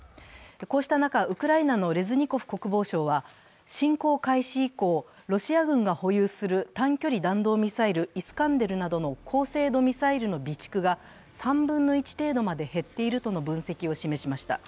こうした中、ウクライナのレズニコフ国防相は侵攻開始以降、ロシア軍が保有する短距離弾道ミサイル、イスカンデルなどの高精度ミサイルの備蓄が３分の１程度まで減っているとの分析を示しました。